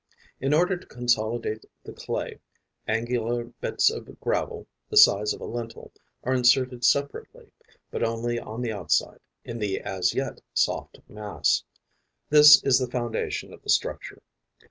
In order to consolidate the clay, angular bits of gravel, the size of a lentil, are inserted separately, but only on the outside, in the as yet soft mass. This is the foundation of the structure.